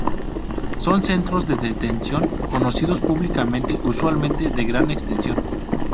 Son centros de detención conocidos públicamente, usualmente de gran extensión.